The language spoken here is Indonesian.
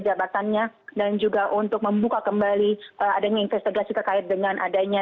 jabatannya dan juga untuk membuka kembali adanya investigasi terkait dengan adanya